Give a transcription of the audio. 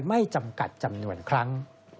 ไม่จำกัดจำนวนครั้ง